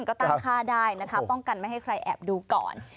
ก็ตั้งค่าได้นะคะป้องกันไม่ให้ใครแอบดูก่อน